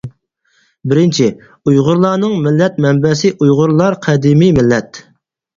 بىرىنچى، ئۇيغۇرلارنىڭ مىللەت مەنبەسى ئۇيغۇرلار قەدىمىي مىللەت.